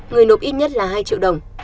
người nộp ít nhất là hai triệu đồng